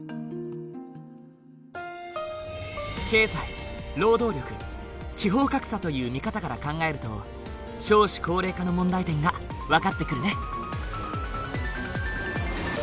経済労働力地方格差という見方から考えると少子高齢化の問題点が分かってくるね。